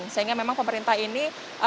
sehingga memang pemerintah ini